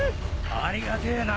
ありがてえな！